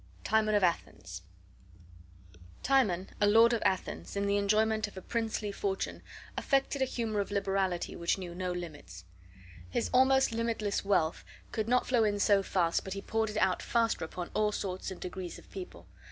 TIMON OF ATHENS Timon, a lord of Athens, in the enjoyment of a princely fortune, affected a humor of liberality which knew no limits. His almost infinite wealth could not flow in so fast but he poured it out faster upon all sorts and degrees of people.